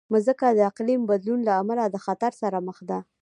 مځکه د اقلیم بدلون له امله له خطر سره مخ ده.